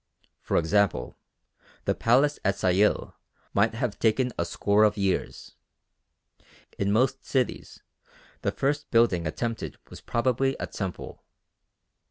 For example the Palace at Sayil might have taken a score of years. In most cities the first building attempted was probably a temple.